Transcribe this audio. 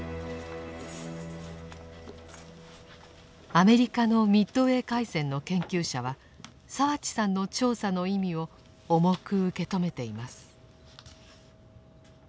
アメリカのミッドウェー海戦の研究者は澤地さんの調査の意味を重く受け止めています。